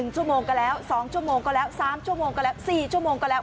ชั่วโมงก็แล้ว๒ชั่วโมงก็แล้ว๓ชั่วโมงก็แล้ว๔ชั่วโมงก็แล้ว